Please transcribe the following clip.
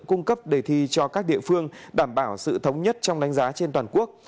cung cấp đề thi cho các địa phương đảm bảo sự thống nhất trong đánh giá trên toàn quốc